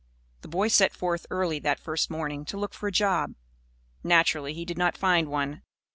The boy set forth early that first morning, to look for a job. Naturally, he did not find one.